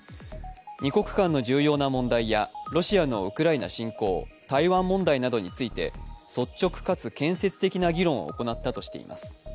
２国間の重要な問題やロシアのウクライナ侵攻、台湾問題などについて率直かつ建設的な議論を行ったとしています。